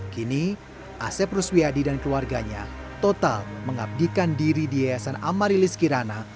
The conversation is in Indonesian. kini asep ruswiyadi dan keluarganya total mengabdikan diri di yayasan amarilis kirana